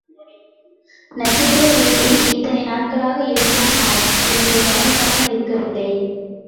நட்சத்திர வீட்டில் இத்தனை நாட்களாக இருக்கும் அவன் இவற்றைக் கவனிக்காமல் இருக்கவில்லை.